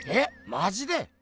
マジで？